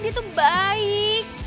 dia tuh baik